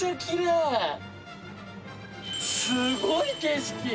すごい景色！